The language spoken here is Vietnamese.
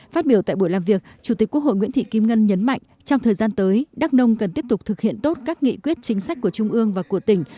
phát biểu tại buổi làm việc chủ tịch quốc hội nguyễn thị kim ngân nhấn mạnh trong thời gian tới đắk nông cần tiếp tục thực hiện tốt các nghị quyết chính sách của trung ương và của tỉnh